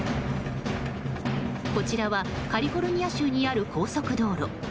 こちらはカリフォルニア州にある高速道路。